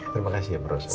terima kasih ya mbak rosa